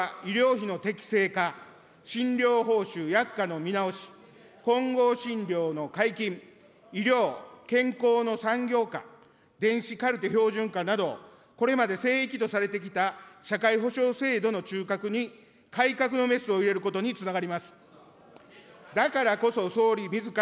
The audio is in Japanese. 医療のデジタル化は、医療費の適正化、診療報酬、薬価の見直し、混合診療の解禁、医療・健康の産業化、電子カルテ標準化など、これまで聖域とされてきた社会保障制度の中核に改革のメスを入れることにつながります。